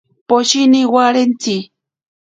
Poshini warentsi.